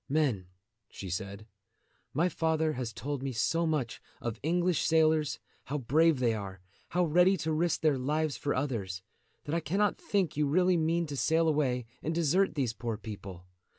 "Men," she said, "my father has told me so much of English sailors, how brave they are, how ready to risk their lives for others, that I cannot think you really mean to sail away and desert these poor people.